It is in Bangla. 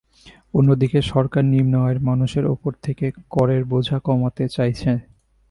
অন্যদিকে সরকার নিম্ন আয়ের মানুষের ওপর থেকে করের বোঝা কমাতে চাইছে।